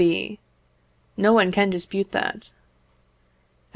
B. No one can dispute that.